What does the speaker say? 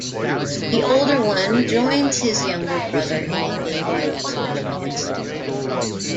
The older one joins his younger brother in a gay rights protest.